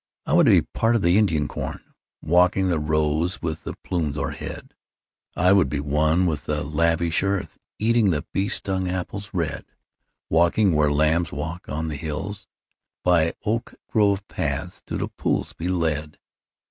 I would be part of the Indian corn, Walking the rows with the plumes o'erhead. I would be one with the lavish earth, Eating the bee stung apples red: Walking where lambs walk on the hills; By oak grove paths to the pools be led.